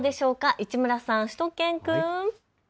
市村さん、しゅと犬くん。